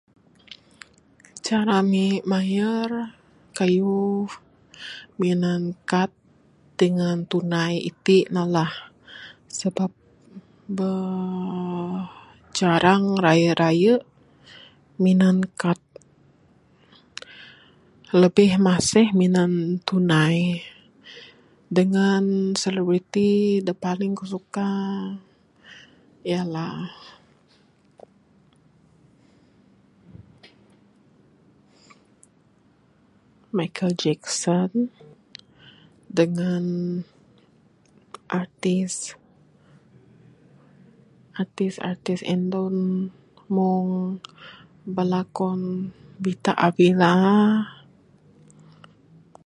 Cara ami mayar kayuh minan card dangan tunai iti ne lah. Sabab meh jarang raye raye minan card. Lebih masih minan tunai dangan silalu iti da paling ku suka ialah Michael Jackson dangan artis artis indon mung bala kon Vita Arvilla